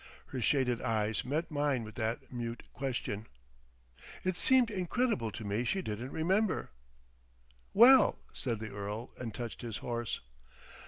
Her shaded eyes met mine with that mute question.... It seemed incredible to me she didn't remember. "Well," said the earl and touched his horse.